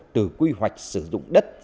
từ quy hoạch sử dụng đất